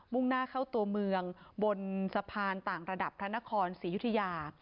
่งหน้าเข้าตัวเมืองบนสะพานต่างระดับพระนครศรียุธยา